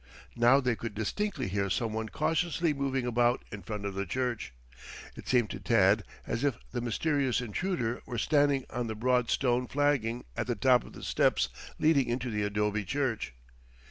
Now they could distinctly hear some one cautiously moving about in front of the church. It seemed to Tad as if the mysterious intruder were standing on the broad stone flagging at the top of the steps leading into the adobe church.